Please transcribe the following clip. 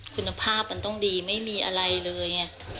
คุณภาพมันต้องดีไม่มีอะไรเลยไง